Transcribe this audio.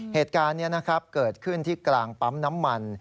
เหตุการณ์นี้นะครับเกิดขึ้นที่กลางปั๊มน้ำมัน